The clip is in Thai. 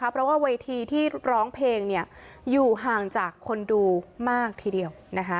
เพราะว่าเวทีที่ร้องเพลงอยู่ห่างจากคนดูมากทีเดียว